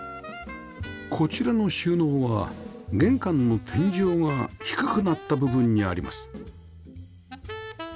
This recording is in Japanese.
こちらの収納は玄関の天井が低くなった部分にあります